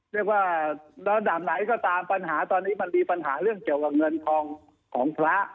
เรียกว่าระดับไหนก็ตามปัญหาตอนนี้มันมีปัญหาเรื่องเกี่ยวกับเงินทองของพระ